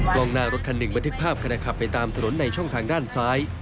กล้องหน้ารถคันหนึ่งบันทึกภาพขณะขับไปตามถนนในช่องทางด้านซ้าย